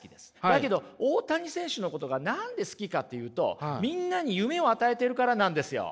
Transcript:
だけど大谷選手のことが何で好きかっていうとみんなに夢を与えてるからなんですよ。